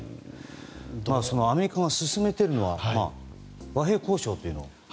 アメリカが進めているのは和平交渉という。